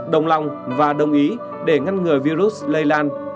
đồng lòng và đồng ý để ngăn ngừa virus lây lan